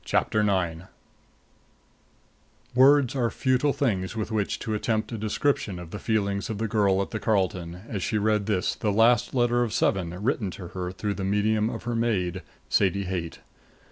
CHAPTER IX Words are futile things with which to attempt a description of the feelings of the girl at the Carlton as she read this, the last letter of seven written to her through the medium of her maid, Sadie Haight.